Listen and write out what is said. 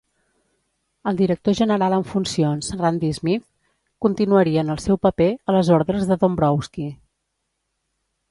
El director general en funcions Randy Smith continuaria en el seu paper, a les ordres de Dombrowski.